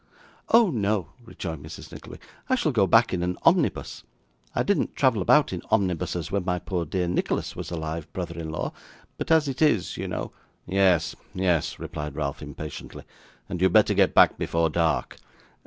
'Oh, no,' rejoined Mrs. Nickleby. 'I shall go back in an omnibus. I didn't travel about in omnibuses, when my poor dear Nicholas was alive, brother in law. But as it is, you know ' 'Yes, yes,' replied Ralph impatiently, 'and you had better get back before dark.